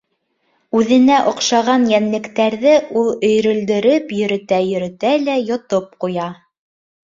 Үҙенә оҡшаған йәнлектәрҙе ул өйөрөлдөрөп йөрөтә-йөрөтә лә йотоп ҡуя.